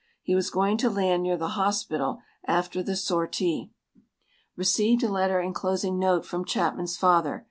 He was going to land near the hospital after the sortie. Received letter inclosing note from Chapman's father.